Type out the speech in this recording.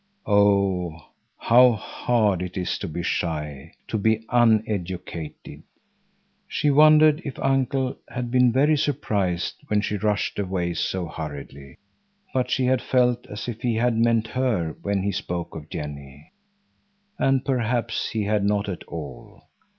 Oh, how hard it is to be shy, to be uneducated! She wondered if Uncle had been very surprised when she rushed away so hurriedly. But she had felt as if he had meant her when he spoke of Jenny. And perhaps he had not at all.